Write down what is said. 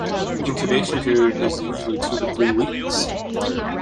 Incubation period is usually two to three weeks.